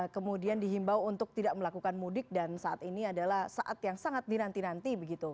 kemudian dihimbau untuk tidak melakukan mudik dan saat ini adalah saat yang sangat dinanti nanti